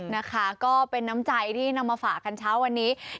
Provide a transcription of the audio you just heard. นะคะก็เป็นน้ำใจที่นำมาฝากกันเช้าวันนี้